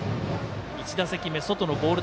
１打席目、外のボール